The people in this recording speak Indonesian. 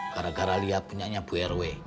gara gara lihat punya nyabu rw